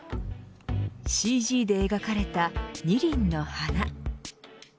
ＣＧで描かれた２輪の花。